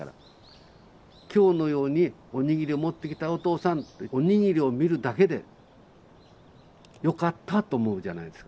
今日のように「おにぎり持ってきたよお父さん」っておにぎりを見るだけで「よかった」と思うじゃないですか。